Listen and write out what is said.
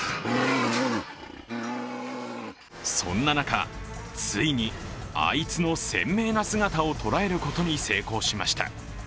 そんな中、ついにあいつの鮮明な姿を捉えることに成功しました。